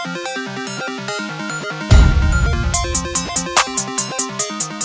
สวัสดีครับ